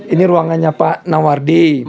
ini ruangannya pak nawardi